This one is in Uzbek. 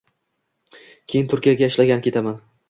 keyin Turkiyaga ishlagani ketgan